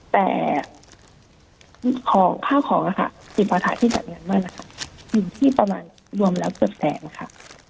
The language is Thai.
แต่ข้าวของอ่ะค่ะกิจภาษาที่ใจเงินมั่นหนูค่ะอยู่ที่ประมาณรวมแล้วเกือบแสนค่ะ